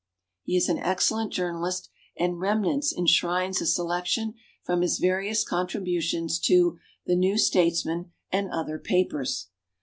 He is an excellent journalist, and "Remnants" enshrines a selection from his various contribu tions to "The New Statesman" and other papers.